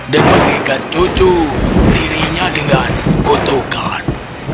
dan mengikat cucu tirinya dengan kutukan